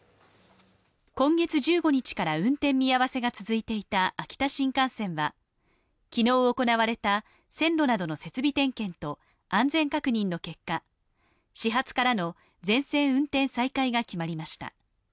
今月１５日から運転見合わせが続いていた秋田新幹線は、昨日行われた線路などの設備点検と安全確認の結果、始発からの全線運転再開が決まりました。